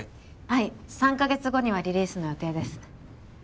はい３カ月後にはリリースの予定です